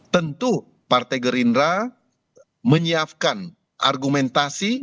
tentu partai gerindra menyiapkan argumentasi